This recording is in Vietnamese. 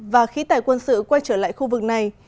và khí tài quân sự quay trở lại khu vực này